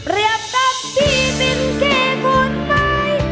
เรียกกับพี่เป็นแค่คนไม้